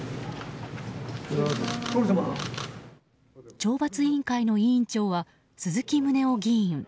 懲罰委員会の委員長は鈴木宗男議員。